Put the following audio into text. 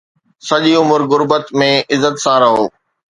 سڄي عمر غربت ۾ عزت سان رهو